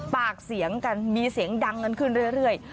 ปากเสียงกันมีเสียงดังกันขึ้นเรื่อย